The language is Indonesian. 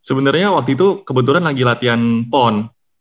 sebenarnya waktu itu kebetulan lagi latihan pon